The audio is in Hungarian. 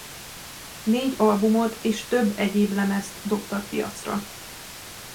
Négy albumot és több egyéb lemezt dobtak piacra.